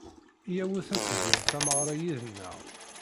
Iyyawet ad tgem tameɣra yid-neɣ.